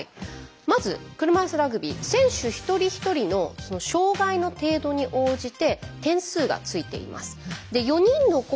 まず車いすラグビー選手一人一人のその障がいの程度に応じて点数がついています。